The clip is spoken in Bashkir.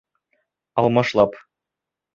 Алмашлап.